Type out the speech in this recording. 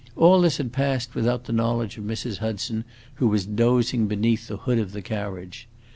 All this had passed without the knowledge of Mrs. Hudson, who was dozing beneath the hood of the carriage.